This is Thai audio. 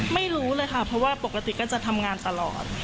ไม่รู้เลยค่ะเพราะว่าปกติก็จะทำงานตลอด